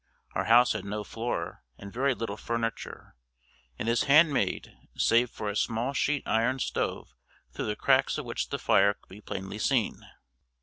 Our house had no floor and very little furniture, and this hand made, save for a small sheet iron stove through the cracks of which the fire could be plainly seen.